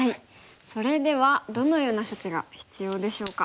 それではどのような処置が必要でしょうか。